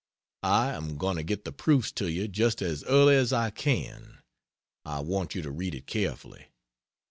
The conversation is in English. I am going to get the proofs to you just as early as I can. I want you to read it carefully.